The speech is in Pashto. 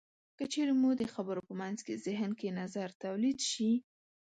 که چېرې مو د خبرو په منځ کې زهن کې نظر تولید شي.